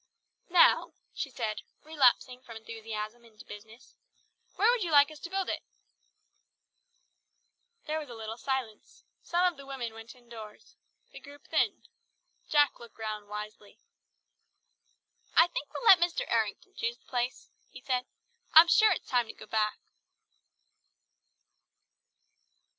"Now," she said, relapsing from enthusiasm to business, "where would you like us to build it?" There was a little silence. Some of the women went indoors. The group thinned. Jack looked round wisely. "I think we'll let Mr. Errington choose the place," he said. "I'm sure it's time to go back."